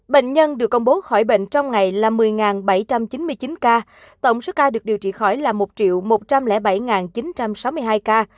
bệnh nhân được công bố khỏi bệnh trong ngày là một mươi bảy trăm chín mươi chín ca tổng số ca được điều trị khỏi là một một trăm linh bảy chín trăm sáu mươi hai ca